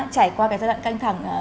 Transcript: trải qua giai đoạn căng thẳng